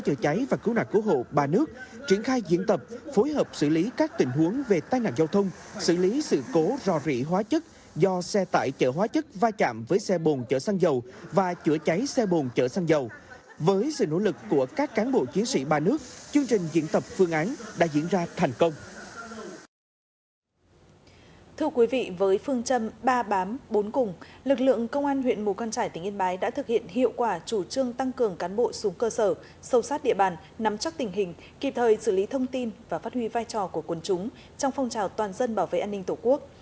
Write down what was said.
thưa quý vị với phương châm ba bám bốn cùng lực lượng công an huyện mù căn trải tỉnh yên bái đã thực hiện hiệu quả chủ trương tăng cường cán bộ xuống cơ sở sâu sát địa bàn nắm chắc tình hình kịp thời xử lý thông tin và phát huy vai trò của quân chúng trong phong trào toàn dân bảo vệ an ninh tổ quốc